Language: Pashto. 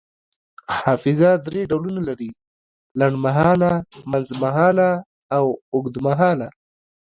حافظه دری ډولونه لري: لنډمهاله، منځمهاله او اوږدمهاله